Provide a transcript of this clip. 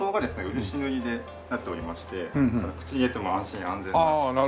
漆塗りでなっておりまして口に入れても安心安全な。